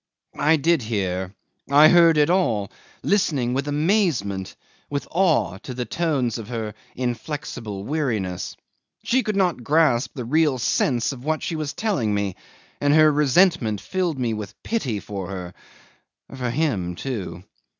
I did hear. I heard it all, listening with amazement, with awe, to the tones of her inflexible weariness. She could not grasp the real sense of what she was telling me, and her resentment filled me with pity for her for him too.